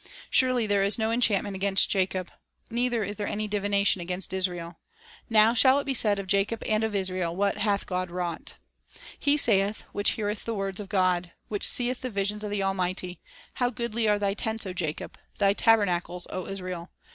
... Surely there is no enchantment against 1 Jacob, Neither is there any divination against 1 Israel; Now shall it be said of Jacob and of Israel, What hath God wrought !" 1 He saith, which heareth the words of God, Which seeth the vision of the Almighty: •.. How goodly are thy tents, O Jacob, Thy tabernacles, O Israel!